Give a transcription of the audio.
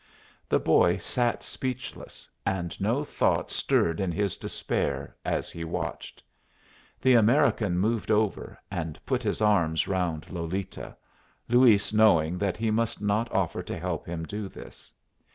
The boy sat speechless, and no thought stirred in his despair as he watched. The American moved over, and put his arms round Lolita, Luis knowing that he must not offer to help him do this.